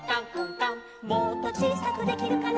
「もっとちいさくできるかな」